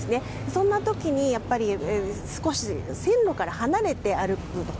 そんな時に少し線路から離れて歩くと。